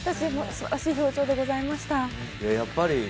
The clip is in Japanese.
素晴らしい表情でございました。